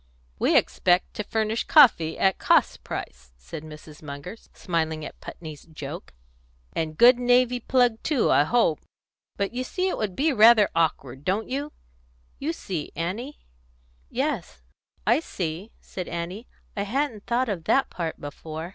"We expect to furnish coffee at cost price," said Mrs. Munger, smiling at Putney's joke. "And good navy plug too, I hope. But you see it would be rather awkward, don't you? You see, Annie?" "Yes, I see," said Annie. "I hadn't thought of that part before."